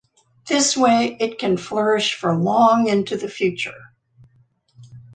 This way it can flourish for long into the future.